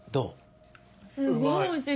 うまい。